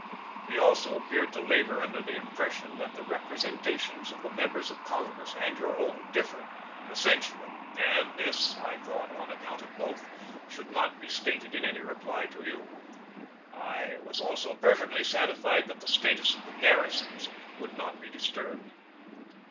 He also appeared to labor under the impression that the representations of the Members of Congress and your own differed essen tially, and this, I thought, on account of both, should not be stated in any reply to you. I was also perfectly satisfied that the status of the garrisons would not be disturbed.